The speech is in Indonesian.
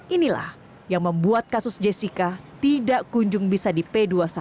inilah yang membuat kasus jessica tidak kunjung bisa di p dua puluh satu